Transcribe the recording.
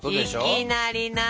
いきなりな。